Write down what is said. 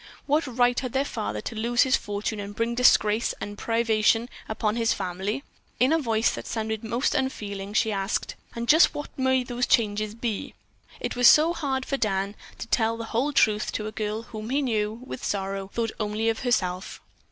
What right had their father to lose his fortune and bring disgrace and privation upon his family? In a voice that sounded most unfeeling, she asked, "And just what may those changes be?" It was hard, so hard for Dan to tell the whole truth to a girl whom he knew, with sorrow, thought only of herself.